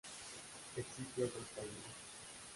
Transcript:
Existe otros caminos.